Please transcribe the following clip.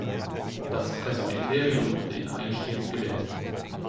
Das Presbyterium hatte ihn einstimmig gewählt.